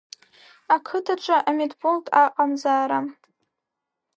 Ақыҭаҿы амедпункт аҟамзаара…